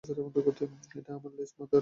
এটা আমার লেজ, মাথামোটা!